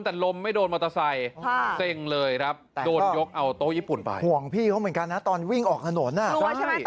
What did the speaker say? ตอนรถทางตรงมาใช่ไหมล่ะพี่โบ๊ค